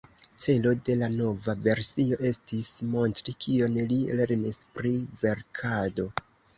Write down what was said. Celo de la nova versio estis montri kion li lernis pri verkado.